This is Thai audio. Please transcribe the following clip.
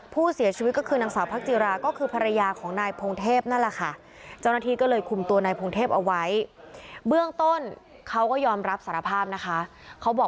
ผู้เสียชีวิตก็คือนางสาวพักจิราก็คือภรรยาของนายพงเทพนั่นแหละค่ะเขาบอก